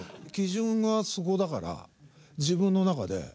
基準がそこだから自分の中で。